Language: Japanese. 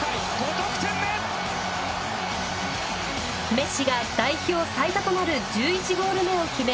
メッシが代表最多となる１１ゴール目を決め